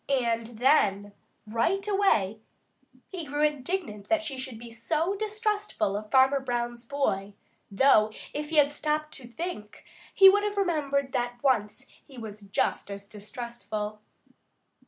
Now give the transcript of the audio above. And then right away he grew indignant that she should be so distrustful of Farmer Brown's boy, though if he had stopped to think, he would have remembered that once he was just as distrustful.